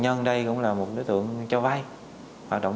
chỗ nạn nhân đây cũng là một nội dung chỗ nạn nhân đây cũng là một nội dung